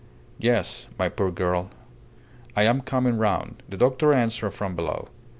"Yes, my poor girl. I am coming round," the doctor answered from below.